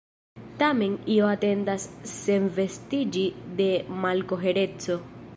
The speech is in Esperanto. Tamen io atendas senvestiĝi de malkohereco.